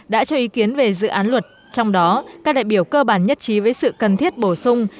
đã cho ý kiến về dự án luật trong đó các đại biểu cơ bản nhất trí với sự cần thiết bổ sung